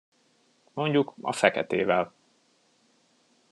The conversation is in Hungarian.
Mondjuk, a feketével.